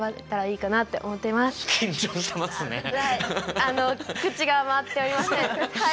あの口が回っておりませんはい。